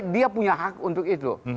dia punya hak untuk itu